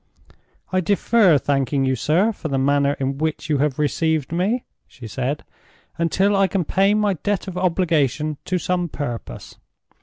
"I defer thanking you, sir, for the manner in which you have received me," she said, "until I can pay my debt of obligation to some purpose.